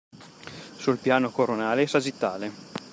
Sul piano coronale e sagittale